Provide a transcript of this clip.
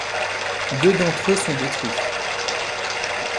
Deux d'entre eux sont détruits.